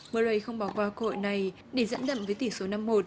murray không bỏ qua cơ hội này để dẫn dặm với tỷ số năm một